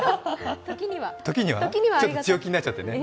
時にはね、ちょっと強気になっちゃってね。